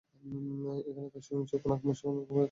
এখানে তার সহিংস খুন, আক্রমণসহ অন্যান্য অপরাধ নিয়ে কথা হবে।